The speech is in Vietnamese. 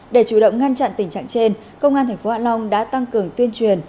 để chủ động ngăn chặn tình trạng trên công an thành phố hạ long đã tăng cường tuyên truyền